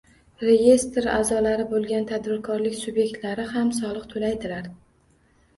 Reyestr a'zolari bo'lgan tadbirkorlik sub'ektlari ham soliq to'laydilar.